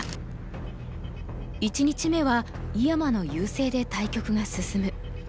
１日目は井山の優勢で対局が進む。